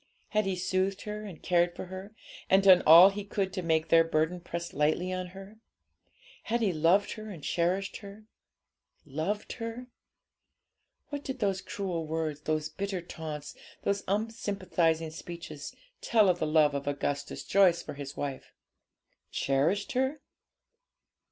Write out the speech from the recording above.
Had he soothed her and cared for her, and done all he could to make their burden press lightly on her? Had he loved her and cherished her? Loved her? What did those cruel words, those bitter taunts, those unsympathising speeches, tell of the love of Augustus Joyce for his wife? Cherished her?